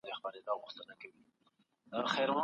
د خلګو له ناپوهۍ څخه ګټه اخیستل کیږي.